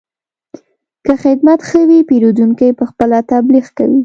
که خدمت ښه وي، پیرودونکی پخپله تبلیغ کوي.